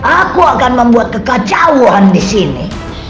aku akan membuat kekacauan di sini